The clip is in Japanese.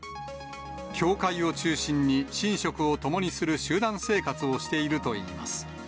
教会を中心に寝食を共にする集団生活をしているといいます。